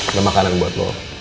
ada makanan buat lo